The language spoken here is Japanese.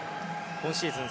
今シーズン